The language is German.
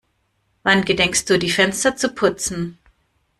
Wann gedenkst du die Fenster zu putzen?